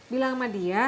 bilang sama dia